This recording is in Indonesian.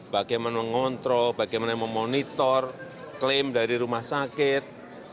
bagaimana mengontrol bagaimana memonitor klaim dari rumah sakit